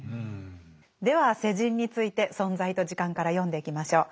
では世人について「存在と時間」から読んでいきましょう。